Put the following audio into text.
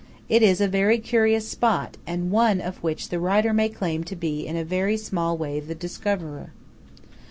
It is a very curious spot, and one of which the writer may claim to be in a very small way the discoverer.